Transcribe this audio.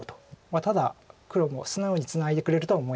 ただ黒も素直にツナいでくれるとは思えないです。